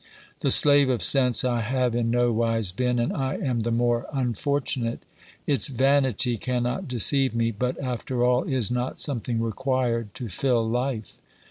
The slave of sense I have in nowise been, and I am the more unfortunate. Its vanity cannot deceive me, but after all, is not something required to fill life